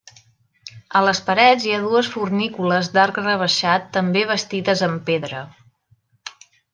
A les parets hi ha dues fornícules d'arc rebaixat també bastides amb pedra.